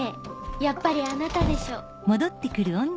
やっぱりあなたでしょ？